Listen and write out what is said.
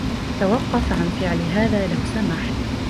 توقف عن فعل هذا لو سمحت